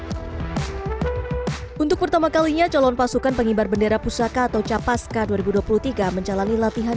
hai untuk pertama kalinya calon pasukan pengibar bendera pusaka atau capas k dua ribu dua puluh tiga menjalani latihan